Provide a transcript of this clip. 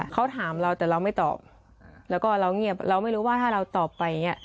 เขาถามเราแต่เราไม่ตอบแล้วก็เราเงียบเราไม่รู้ว่าถ้าเราตอบไปอย่างนี้